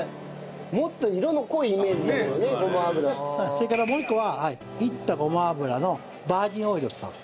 それからもう一個は煎ったごま油のバージンオイルを使う。